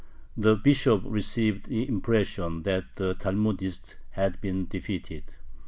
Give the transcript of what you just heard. The Bishop received the impression that the Talmudists had been defeated.